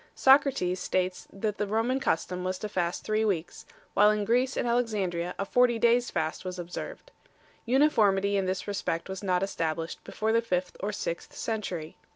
Socrates 5 states that the Roman custom was to fast three weeks, while in Greece and Alexandria a forty days fast was observed. Uniformity in this respect was not established before the fifth or sixth century.